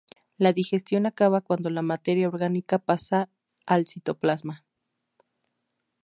La digestión acaba cuando la materia orgánica pasa al citoplasma.